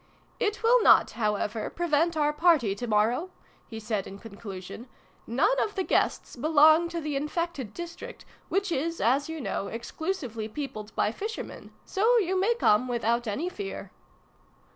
"It will not, however, prevent our party to morrow," he said in conclusion. " None of the guests be long to the infected district, which is, as you know, exclusively peopled by fishermen : so you may come without any fear."